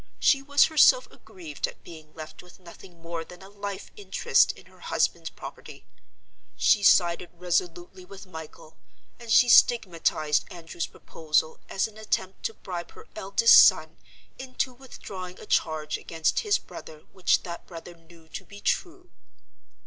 She was herself aggrieved at being left with nothing more than a life interest in her husband's property; she sided resolutely with Michael; and she stigmatized Andrew's proposal as an attempt to bribe her eldest son into withdrawing a charge against his brother which that brother knew to be true.